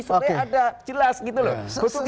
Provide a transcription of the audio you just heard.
supaya ada jelas gitu loh